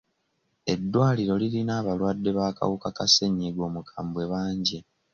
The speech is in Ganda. Eddwaliro lirina abalwadde b'akawuka ka ssennyiga omukambwe bangi.